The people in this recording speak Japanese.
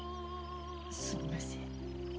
すみません。